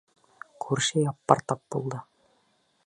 Күрше Яппар тап булды.